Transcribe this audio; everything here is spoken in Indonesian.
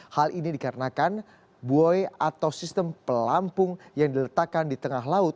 hal ini dikarenakan buoy atau sistem pelampung yang diletakkan di tengah laut